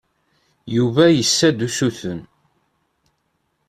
Yuba yessa-d usuten.